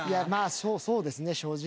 そうですね正直。